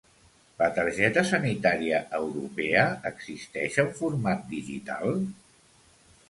La targeta sanitària europea existeix en format digital?